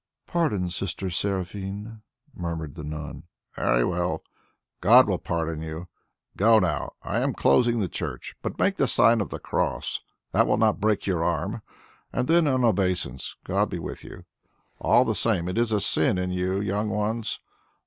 '" "Pardon, Sister Seraphine," murmured the nun. "Very well! God will pardon you. Go now, I am closing the church. But make the sign of the cross; that will not break your arm, and then an obeisance. God be with you. All the same, it is a sin in you young ones.